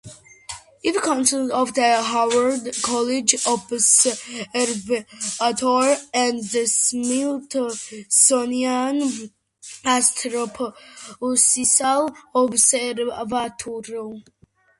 It consists of the Harvard College Observatory and the Smithsonian Astrophysical Observatory.